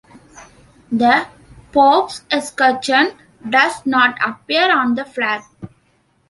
The pope's escucheon does not appear on the flag.